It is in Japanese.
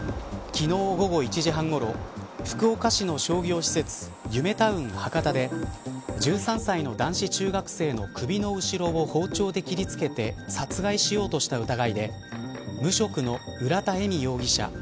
昨日午後１時半ごろ福岡市の商業施設ゆめタウン博多で１３歳の男子中学生の首の後ろを包丁で切りつけて殺害しようとした疑いで無職の浦田恵美容疑者